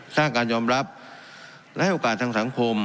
สร้างการยอมรับและให้โอกาสทางสังคม